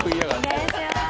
お願いします。